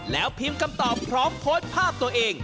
แล้วพิมพ์คำตอบพร้อมโพสต์ภาพตัวเอง